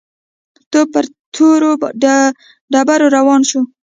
تواب پر تورو ډبرو روان شو.